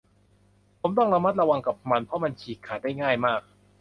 ผมต้องระมัดระวังกับมัน เพราะมันฉีกขาดได้ง่ายมาก